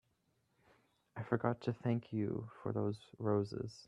I forgot to thank you for those roses.